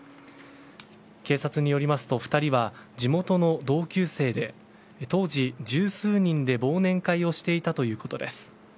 警察によりますと２人は地元の同級生で当時十数人で忘年会をしていたということです。